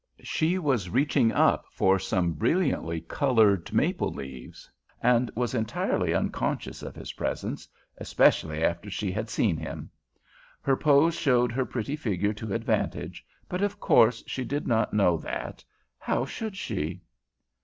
She was reaching up for some brilliantly colored maple leaves, and was entirely unconscious of his presence, especially after she had seen him. Her pose showed her pretty figure to advantage, but, of course, she did not know that. How should she?